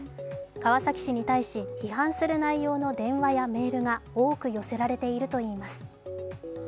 川崎市に対し、批判する内容の電話やメールが多く寄せられているといいます。